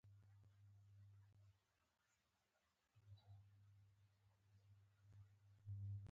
ملګری د حقیقت ملګری دی